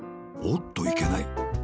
おっといけない。